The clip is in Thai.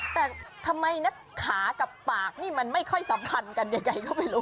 แต่ทำไมนักขากับปากนี่มันไม่ค่อยสัมพันธ์กันยังไงก็ไม่รู้